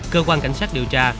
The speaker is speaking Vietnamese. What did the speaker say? cơ quan cảnh sát điều tra